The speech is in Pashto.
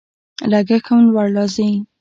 لګښت هم لوړ راځي.